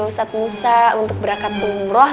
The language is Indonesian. ustadz musa untuk berangkat umroh